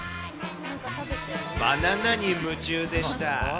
バナナに夢中でした。